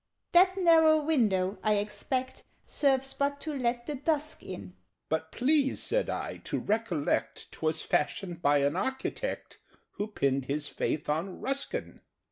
"That narrow window, I expect, Serves but to let the dusk in " "But please," said I, "to recollect 'Twas fashioned by an architect Who pinned his faith on Ruskin!"